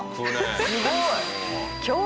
すごい！